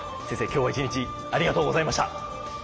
今日は１日ありがとうございました。